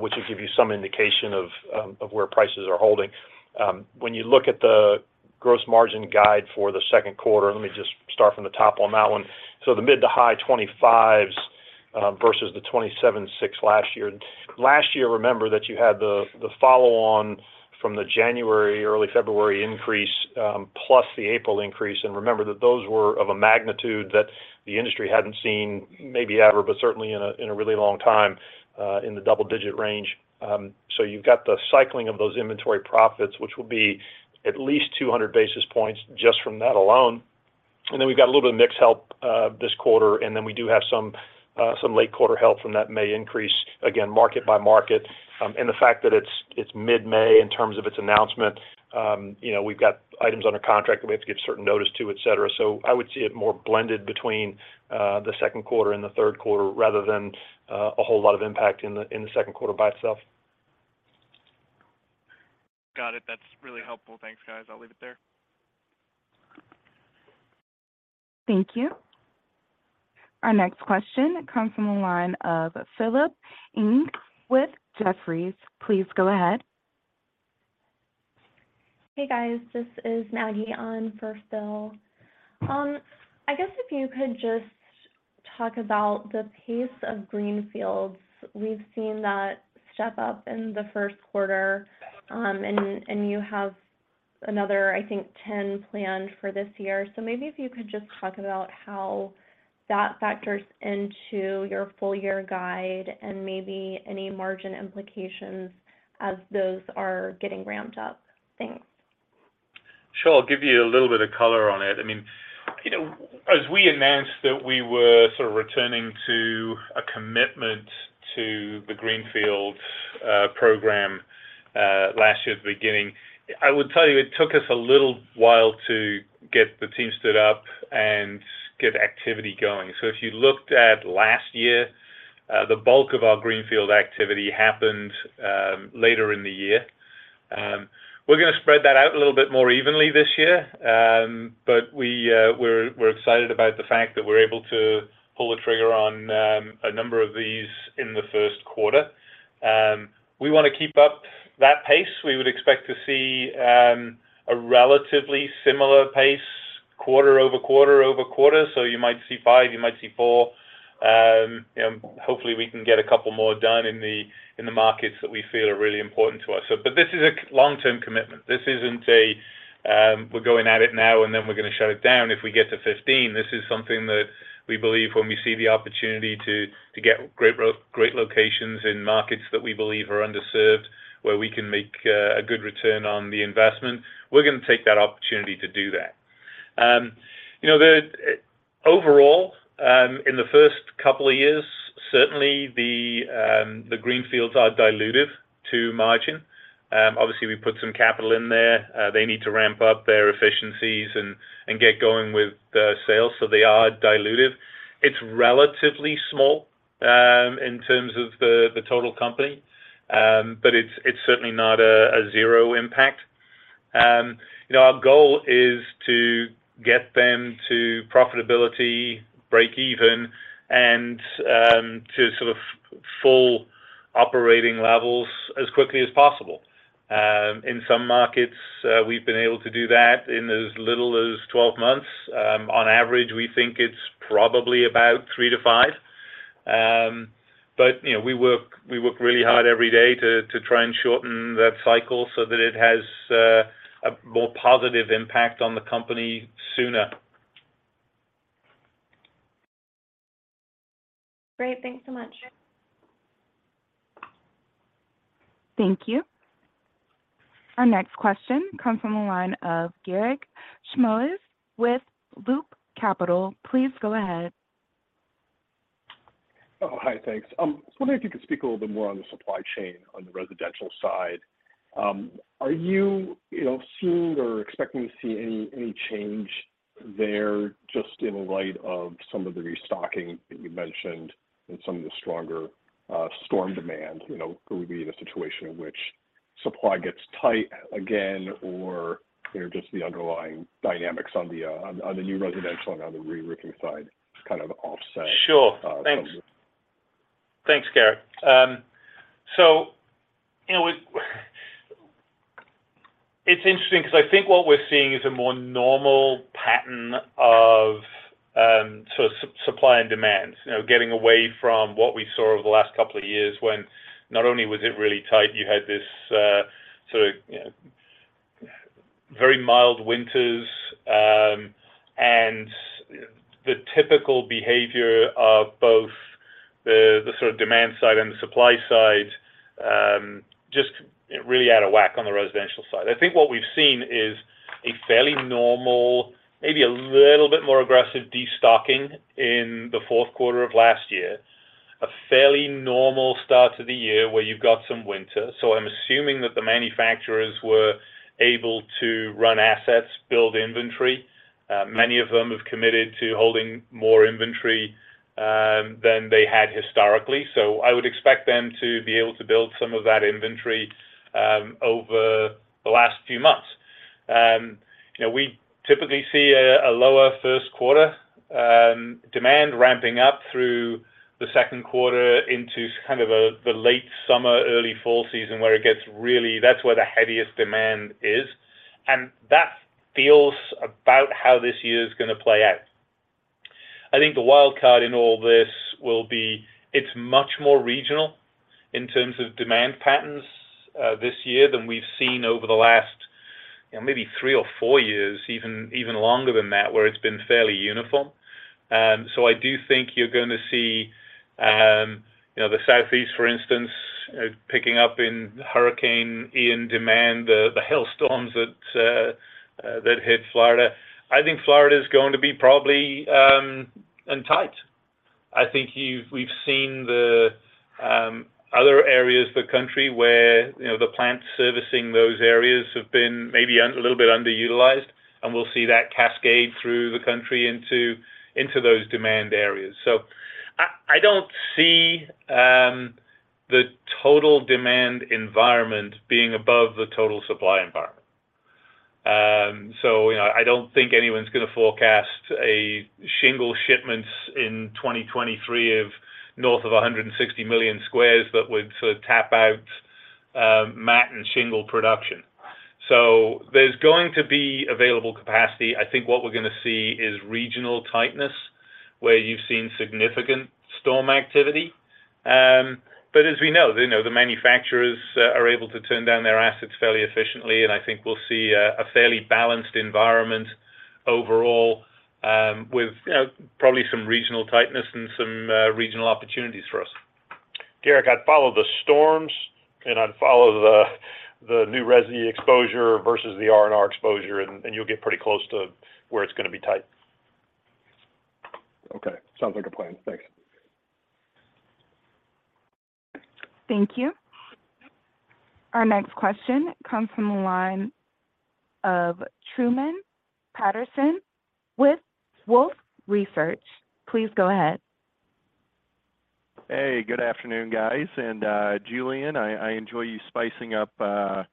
which would give you some indication of where prices are holding. When you look at the gross margin guide for the second quarter, let me just start from the top on that one. The mid to high 25s%, versus the 27.6% last year. Last year, remember that you had the follow on from the January, early February increase, plus the April increase. Remember that those were of a magnitude that the industry hadn't seen maybe ever, but certainly in a really long time, in the double-digit range. You've got the cycling of those inventory profits, which will be at least 200 basis points just from that alone. Then we've got a little bit of mix help this quarter, and then we do have some late quarter help from that May increase, again, market by market. The fact that it's mid-May in terms of its announcement, you know, we've got items under contract that we have to give certain notice to, et cetera. I would see it more blended between the second quarter and the third quarter rather than a whole lot of impact in the second quarter by itself. Got it. That's really helpful. Thanks, guys. I'll leave it there. Thank you. Our next question comes from the line of Philip Ng with Jefferies. Please go ahead. Hey, guys. This is Maggie on for Phil. I guess if you could just talk about the pace of Greenfields. We've seen that step up in the first quarter, and you have another, I think 10 planned for this year. Maybe if you could just talk about how that factors into your full year guide and maybe any margin implications as those are getting ramped up. Thanks. Sure. I'll give you a little bit of color on it. I mean, you know, as we announced that we were sort of returning to a commitment to the Greenfield program last year at the beginning, I would tell you it took us a little while to get the team stood up and get activity going. If you looked at last year, the bulk of our greenfield activity happened later in the year. We're gonna spread that out a little bit more evenly this year. We're excited about the fact that we're able to pull the trigger on a number of these in the first quarter. We wanna keep up that pace. We would expect to see a relatively similar pace quarter over quarter over quarter. You might see five, you might see four. You know, hopefully, we can get a couple more done in the markets that we feel are really important to us. This is a long-term commitment. This isn't a, we're going at it now and then we're gonna shut it down if we get to 15. This is something that we believe when we see the opportunity to get great locations in markets that we believe are underserved, where we can make a good return on the investment, we're gonna take that opportunity to do that. You know, Overall, in the first couple of years, certainly, the greenfields are dilutive to margin. Obviously, we put some capital in there. They need to ramp up their efficiencies and get going with the sales, so they are dilutive. It's relatively small, in terms of the total company, but it's certainly not a zero impact. You know, our goal is to get them to profitability, break even, and to sort of full operating levels as quickly as possible. In some markets, we've been able to do that in as little as 12 months. On average, we think it's probably about 3-5. But, you know, we work, we work really hard every day to try and shorten that cycle so that it has a more positive impact on the company sooner. Great. Thanks so much. Thank you. Our next question comes from the line of Garik Shmois with Loop Capital. Please go ahead. Oh, hi. Thanks. I was wondering if you could speak a little bit more on the supply chain on the residential side. Are you know, seeing or expecting to see any change there just in light of some of the restocking that you mentioned and some of the stronger, storm demand? You know, could we be in a situation in which supply gets tight again or, you know, just the underlying dynamics on the new residential and on the reroofing side is kind of offset? Sure. Thanks. Thanks, Garik. you know, It's interesting because I think what we're seeing is a more normal pattern of sort of supply and demand. You know, getting away from what we saw over the last couple of years when not only was it really tight, you had this sort of, you know, very mild winters, and the typical behavior of both the sort of demand side and the supply side, just, you know, really out of whack on the residential side. I think what we've seen is a fairly normal, maybe a little bit more aggressive destocking in the fourth quarter of last year. A fairly normal start to the year where you've got some winter. I'm assuming that the manufacturers were able to run assets, build inventory. Many of them have committed to holding more inventory than they had historically. I would expect them to be able to build some of that inventory over the last few months. You know, we typically see a lower first quarter demand ramping up through the second quarter into kind of a, the late summer, early fall season. That's where the heaviest demand is. That feels about how this year is gonna play out. I think the wild card in all this will be it's much more regional in terms of demand patterns this year than we've seen over the last, you know, maybe 3 or 4 years, even longer than that, where it's been fairly uniform. I do think you're gonna see, you know, the Southeast, for instance, picking up in Hurricane Ian demand, the hailstorms that hit Florida. I think Florida is going to be probably in tight. I think we've seen the other areas of the country where, you know, the plants servicing those areas have been maybe a little bit underutilized, and we'll see that cascade through the country into those demand areas. I don't see the total demand environment being above the total supply environment. You know, I don't think anyone's gonna forecast shingle shipments in 2023 of north of 160 million squares that would sort of tap out mat and shingle production. There's going to be available capacity. I think what we're gonna see is regional tightness where you've seen significant storm activity. As we know, you know, the manufacturers are able to turn down their assets fairly efficiently, and I think we'll see a fairly balanced environment overall, with, you know, probably some regional tightness and some regional opportunities for us. Garik, I'd follow the storms, and I'd follow the new resi exposure versus the R&R exposure, and you'll get pretty close to where it's gonna be tight. Okay. Sounds like a plan. Thanks. Thank you. Our next question comes from the line of Truman Patterson with Wolfe Research. Please go ahead. Good afternoon, guys. Julian, I enjoy you spicing up the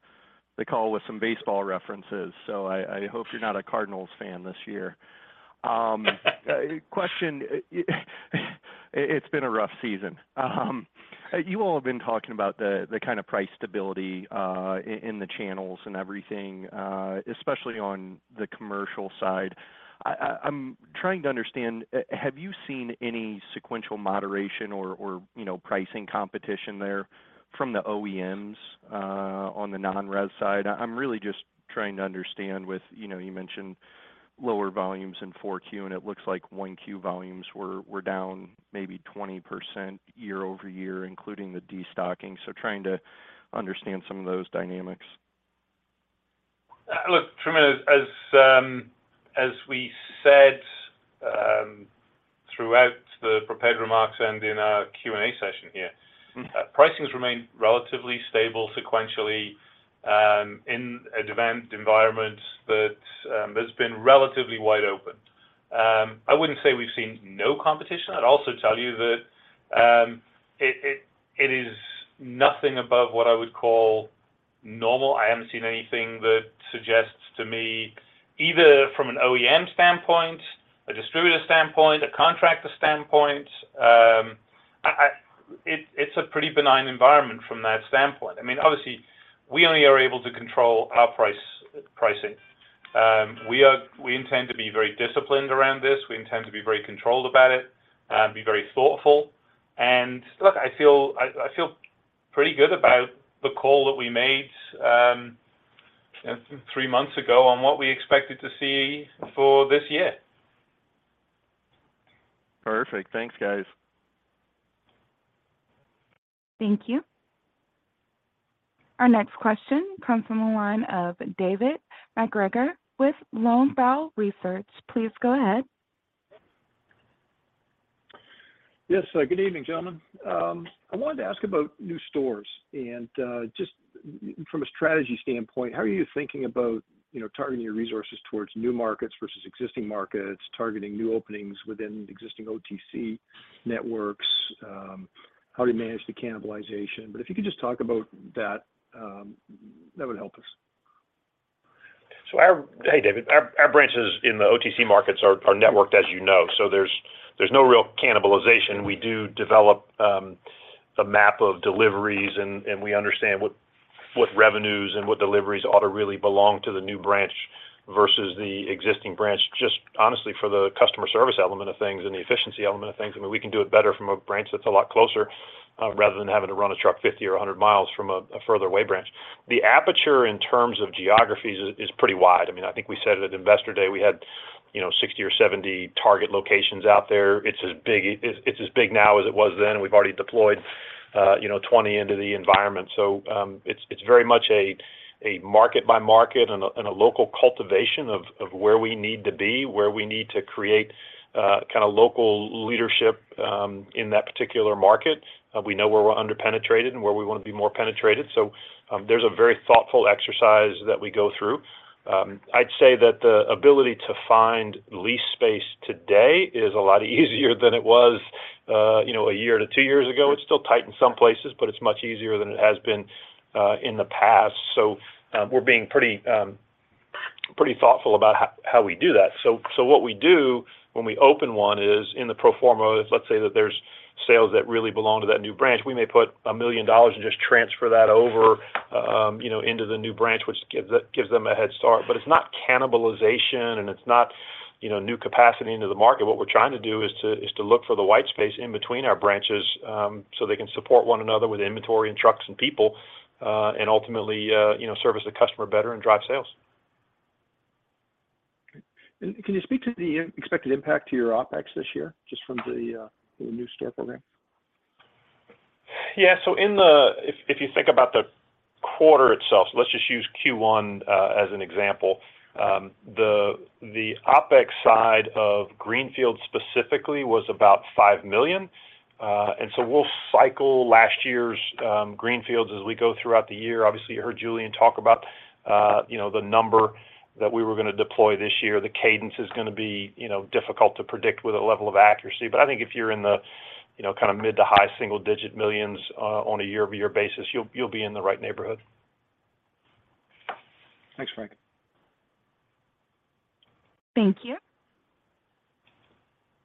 call with some baseball references, so I hope you're not a Cardinals fan this year. Question. It's been a rough season. You all have been talking about the kind of price stability in the channels and everything, especially on the commercial side. I'm trying to understand, have you seen any sequential moderation or, you know, pricing competition there from the OEMs on the non-res side? I'm really just trying to understand with, you know, you mentioned lower volumes in 4Q, and it looks like 1Q volumes were down maybe 20% YoY, including the destocking. Trying to understand some of those dynamics. Look, Truman, as as we said, throughout the prepared remarks and in our Q&A session here, pricing's remained relatively stable sequentially, in a demand environment that has been relatively wide open. I wouldn't say we've seen no competition. I'd also tell you that it is nothing above what I would call normal. I haven't seen anything that suggests to me, either from an OEM standpoint, a distributor standpoint, a contractor standpoint, it's a pretty benign environment from that standpoint. I mean, obviously, we only are able to control our price, pricing. We intend to be very disciplined around this. We intend to be very controlled about it and be very thoughtful. Look, I feel, I feel pretty good about the call that we made, you know, 3 months ago on what we expected to see for this year. Perfect. Thanks, guys. Thank you. Our next question comes from the line of David MacGregor with Longbow Research. Please go ahead. Yes. Good evening, gentlemen. I wanted to ask about new stores and just from a strategy standpoint, how are you thinking about, you know, targeting your resources towards new markets versus existing markets, targeting new openings within existing OTC networks, how to manage the cannibalization. If you could just talk about that would help us. Hey, David. Our branches in the OTC markets are networked, as you know. There's no real cannibalization. We do develop a map of deliveries and we understand what revenues and what deliveries ought to really belong to the new branch versus the existing branch, just honestly for the customer service element of things and the efficiency element of things. I mean, we can do it better from a branch that's a lot closer, rather than having to run a truck 50 or 100 miles from a further away branch. The aperture in terms of geographies is pretty wide. I mean, I think we said it at Investor Day, we had, you know, 60 or 70 target locations out there. It's as big now as it was then. We've already deployed, you know, 20 into the environment. It's, it's very much a market by market and a, and a local cultivation of where we need to be, where we need to create, kind of local leadership, in that particular market. We know where we're under-penetrated and where we want to be more penetrated. There's a very thoughtful exercise that we go through. I'd say that the ability to find lease space today is a lot easier than it was, you know, 1 year to 2 years ago. It's still tight in some places, but it's much easier than it has been, in the past. We're being pretty thoughtful about how we do that. What we do when we open one is in the pro forma, if let's say that there's sales that really belong to that new branch, we may put $1 million and just transfer that over, you know, into the new branch, which gives them a head start. It's not cannibalization and it's not, you know, new capacity into the market. What we're trying to do is to look for the white space in between our branches, so they can support one another with inventory and trucks and people, and ultimately, you know, service the customer better and drive sales. Can you speak to the expected impact to your OpEx this year, just from the new scale program? Yeah. If you think about the quarter itself, let's just use Q1 as an example. The OpEx side of Greenfield specifically was about $5 million. We'll cycle last year's Greenfields as we go throughout the year. Obviously, you heard Julian talk about, you know, the number that we were gonna deploy this year. The cadence is gonna be, you know, difficult to predict with a level of accuracy. I think if you're in the, you know, kind of mid to high single-digit millions on a year-over-year basis, you'll be in the right neighborhood. Thanks, Frank. Thank you.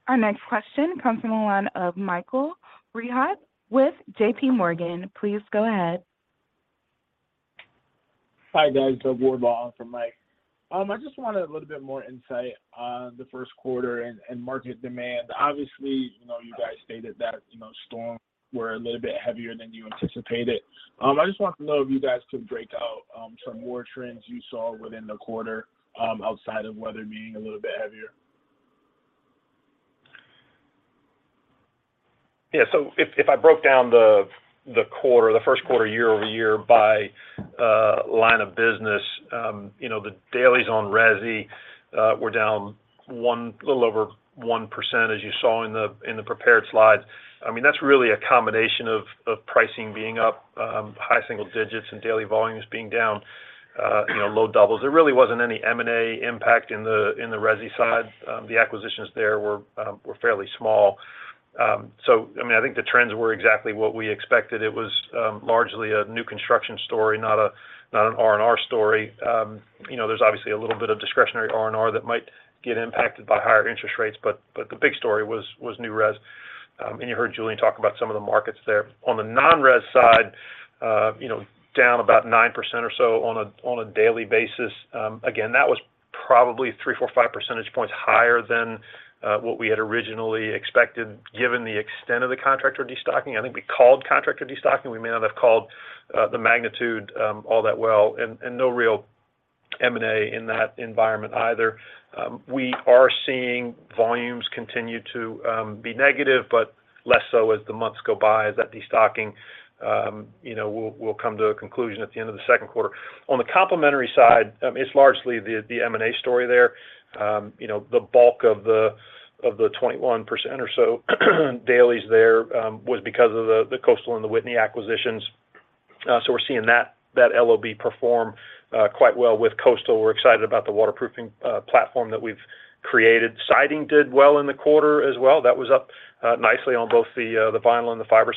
Our next question comes from the line of Michael Rehaut with J.P. Morgan. Please go ahead. Hi, guys. Douglas Wardlaw in for Michael Rehaut. I just wanted a little bit more insight on the first quarter and market demand. Obviously, you know, you guys stated that, you know, storms were a little bit heavier than you anticipated. I just wanted to know if you guys could break out some more trends you saw within the quarter, outside of weather being a little bit heavier. Yeah. If I broke down the quarter, the first quarter year-over-year by line of business, you know, the dailies on resi were down a little over 1% as you saw in the prepared slides. I mean, that's really a combination of pricing being up high single digits and daily volumes being down, you know, low doubles. There really wasn't any M&A impact in the resi side. The acquisitions there were fairly small. I mean, I think the trends were exactly what we expected. It was largely a new construction story, not an R&R story. You know, there's obviously a little bit of discretionary R&R that might get impacted by higher interest rates, but the big story was new res. You heard Julian talk about some of the markets there. On the non-res side, you know, down about 9% or so on a, on a daily basis. Again, that was probably 3, 4, 5 percentage points higher than what we had originally expected given the extent of the contractor destocking. I think we called contractor destocking. We may not have called the magnitude all that well, no real M&A in that environment either. We are seeing volumes continue to be negative, but less so as the months go by as that destocking, you know, will come to a conclusion at the end of the second quarter. On the complementary side, it's largely the M&A story there. You know, the bulk of the 21% or so dailies there, was because of the Coastal and the Whitney acquisitions. We're seeing that LOB perform quite well with Coastal. We're excited about the waterproofing platform that we've created. Siding did well in the quarter as well. That was up nicely on both the vinyl and the fiber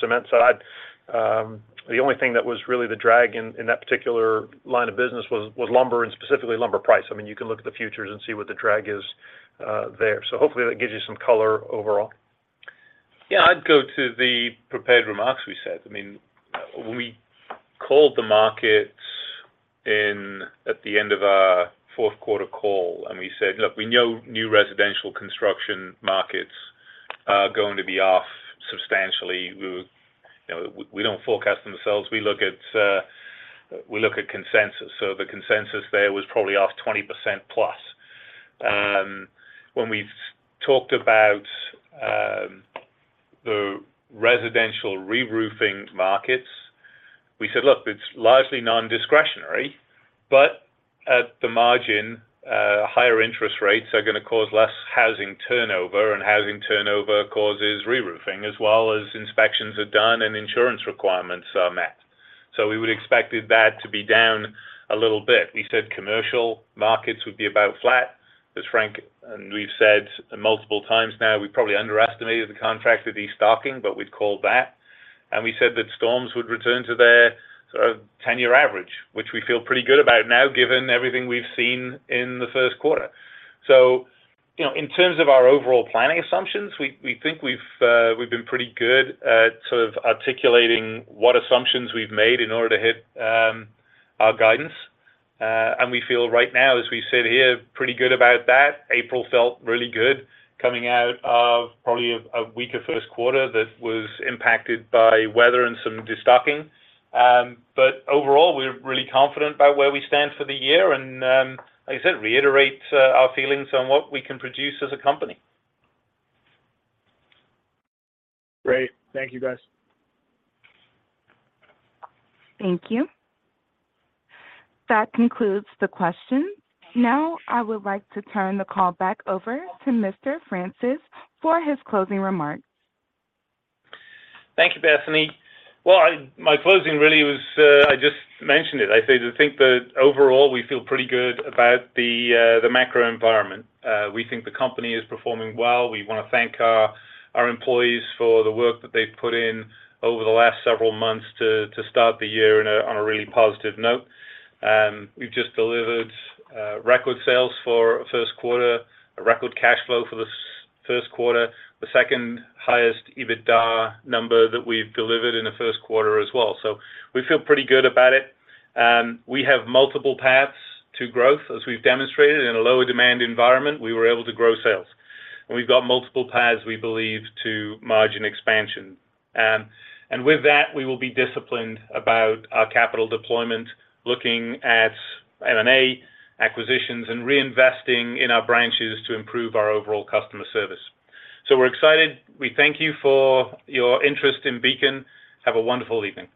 cement side. The only thing that was really the drag in that particular line of business was lumber and specifically lumber price. I mean, you can look at the futures and see what the drag is there. Hopefully that gives you some color overall. Yeah, I'd go to the prepared remarks we said. I mean, when we called the markets in at the end of our fourth quarter call and we said, "Look, we know new residential construction markets are going to be off substantially." We, you know, we don't forecast themselves. We look at, we look at consensus. The consensus there was probably off 20% plus. When we talked about the residential reroofing markets, we said, "Look, it's largely nondiscretionary, but at the margin, higher interest rates are gonna cause less housing turnover, and housing turnover causes reroofing as well as inspections are done and insurance requirements are met." We would expected that to be down a little bit. We said commercial markets would be about flat as Frank, and we've said multiple times now, we probably underestimated the contractor destocking, but we'd called that. We said that storms would return to their sort of 10-year average, which we feel pretty good about now given everything we've seen in the first quarter. You know, in terms of our overall planning assumptions, we think we've been pretty good at sort of articulating what assumptions we've made in order to hit our guidance. We feel right now, as we sit here, pretty good about that. April felt really good coming out of probably a weaker first quarter that was impacted by weather and some destocking. Overall, we're really confident about where we stand for the year and, like I said, reiterate our feelings on what we can produce as a company. Great. Thank you, guys. Thank you. That concludes the questions. I would like to turn the call back over to Mr. Francis for his closing remarks. Thank you, Bethany. Well, my closing really was, I just mentioned it. I say to think that overall, we feel pretty good about the macro environment. We think the company is performing well. We wanna thank our employees for the work that they've put in over the last several months to start the year on a really positive note. We've just delivered record sales for first quarter, a record cash flow for the first quarter, the second highest EBITDA number that we've delivered in the first quarter as well. We feel pretty good about it. We have multiple paths to growth. As we've demonstrated in a lower demand environment, we were able to grow sales. We've got multiple paths we believe to margin expansion. With that, we will be disciplined about our capital deployment, looking at M&A acquisitions and reinvesting in our branches to improve our overall customer service. We're excited. We thank you for your interest in Beacon. Have a wonderful evening.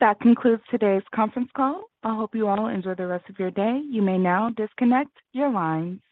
That concludes today's conference call. I hope you all enjoy the rest of your day. You may now disconnect your lines.